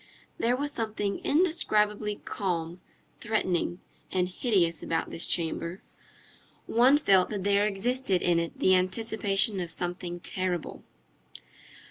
There was something indescribably calm, threatening, and hideous about this chamber. One felt that there existed in it the anticipation of something terrible.